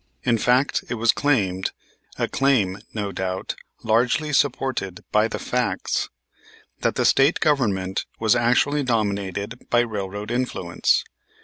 In fact it was claimed, a claim, no doubt, largely supported by the facts, that the State Government was actually dominated by railroad influence.